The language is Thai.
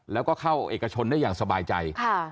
แล้วก็เข้าเอกชนได้อย่างสบายใจ